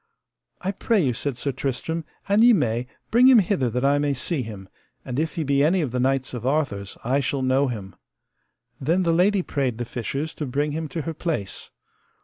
I pray you, said Sir Tristram, an ye may, bring him hither that I may see him, and if he be any of the knights of Arthur's I shall know him. Then the lady prayed the fishers to bring him to her place.